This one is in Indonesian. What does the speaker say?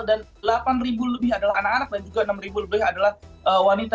dan delapan ribu lebih adalah anak anak dan juga enam ribu lebih adalah wanita